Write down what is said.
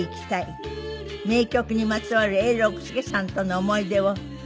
名曲にまつわる永六輔さんとの思い出を。